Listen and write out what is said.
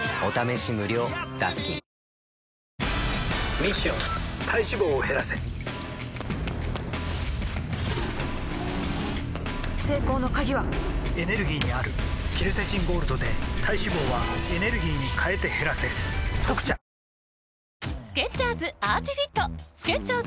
ミッション体脂肪を減らせ成功の鍵はエネルギーにあるケルセチンゴールドで体脂肪はエネルギーに変えて減らせ「特茶」ＧＥＴＲＥＦＲＥＳＨＥＤ！